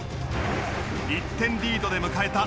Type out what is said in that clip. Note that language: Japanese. １点リードで迎えた